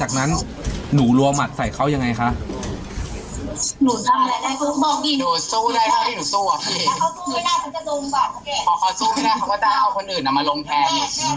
พอเขาสู้ไม่ได้เขาก็จะเอาคนอื่นมาลงแทน